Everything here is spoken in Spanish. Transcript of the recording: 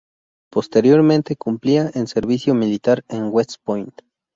Posteriormente cumpliría en servicio militar en West Point.